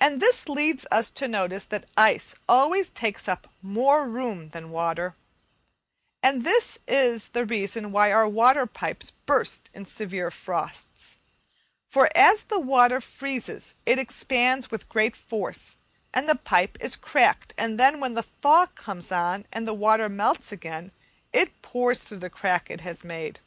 And this leads us to notice that ice always takes up more room than water, and that this is the reason why our water pipes burst in severe frosts; for as the water freezes it expands with great force, and the pipe is cracked, and then when the thaw comes on , and the water melts again, it pours through the crack it has made.